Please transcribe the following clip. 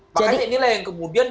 makanya inilah yang kemudian